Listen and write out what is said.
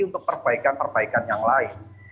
untuk perbaikan perbaikan yang lain